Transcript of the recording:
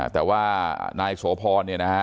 แต่ว่านายโสพรเนี่ยนะฮะ